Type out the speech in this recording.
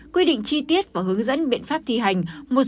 quy định chi tiết và hướng dẫn biện pháp thi hành